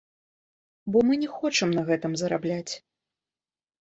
Бо мы не хочам на гэтым зарабляць.